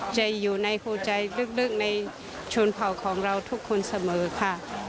จะอยู่ในหัวใจลึกในชนเผ่าของเราทุกคนเสมอค่ะ